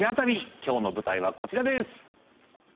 きょうの舞台は、こちらです。